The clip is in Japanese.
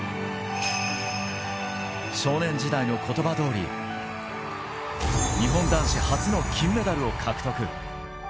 少年時代の言葉通り、日本男子初の金メダルを獲得。